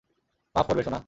মাফ করবে, সোনা।